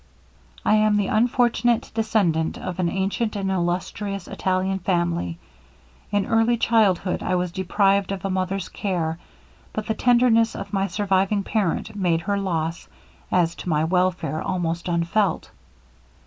'I am the unfortunate descendant of an ancient and illustrious Italian family. In early childhood I was deprived of a mother's care, but the tenderness of my surviving parent made her loss, as to my welfare, almost unfelt.